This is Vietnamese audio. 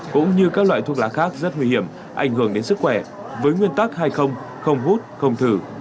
cũng như các loại thuốc lá khác rất nguy hiểm ảnh hưởng đến sức khỏe với nguyên tắc hay không hút không thử